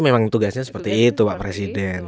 memang tugasnya seperti itu pak presiden